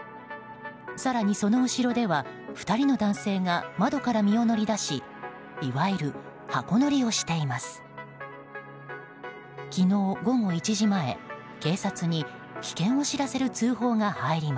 更に、その後ろでは２人の男性が窓から身を乗り出しいわゆる箱乗りをしています。